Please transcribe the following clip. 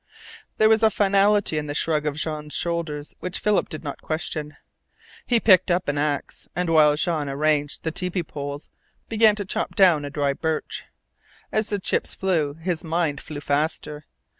There was a finality in the shrug of Jean's shoulders which Philip did not question. He picked up an axe, and while Jean arranged the tepee poles began to chop down a dry birch. As the chips flew his mind flew faster.